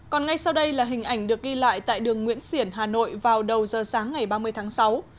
còn ngay sau đây là hình ảnh được ghi lại tại đường nguyễn xiển hà nội vào đầu giờ sáng ngày ba mươi tháng sáu